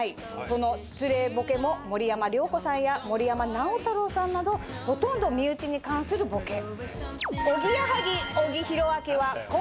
その失礼ボケも森山良子さんや森山直太朗さんなどほとんど身内に関するボケ。